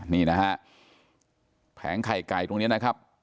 นี่นะฮะแผงไข่ไก่ตรงนี้นะครับ